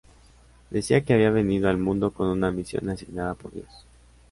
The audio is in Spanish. Decía que había venido al mundo con una misión asignada por Dios.